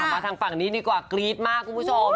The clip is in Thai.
มาทางฝั่งนี้ดีกว่ากรี๊ดมากคุณผู้ชม